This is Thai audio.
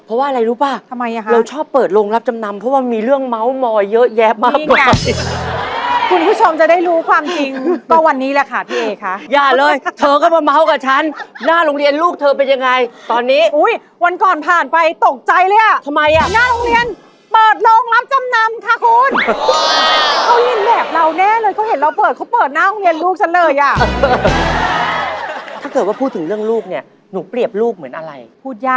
เพราะว่าอะไรรู้ปะเราชอบเปิดโรงรับจำนำเพราะว่ามีเรื่องเมาส์เยอะแยบมาก